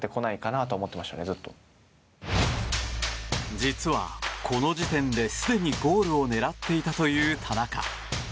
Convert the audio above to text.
実はこの時点で、すでにゴールを狙っていたという田中。